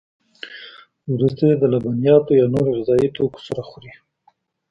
وروسته یې د لبنیاتو یا نورو غذایي توکو سره خوري.